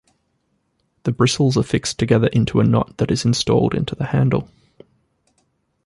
The bristles are fixed together into a knot that is installed into the handle.